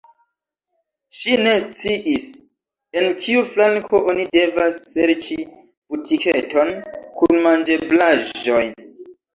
Ŝi ne sciis, en kiu flanko oni devas serĉi butiketon kun manĝeblaĵoj.